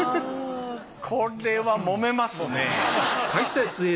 これはもめますね。